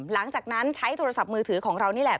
หลังจากนั้นใช้โทรศัพท์มือถือของเรานี่แหละ